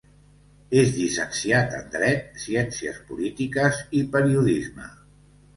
És llicenciat en Dret, Ciències Polítiques i Periodisme.